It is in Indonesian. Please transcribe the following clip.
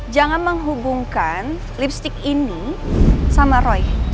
jangan menghubungkan lipstick ini sama roy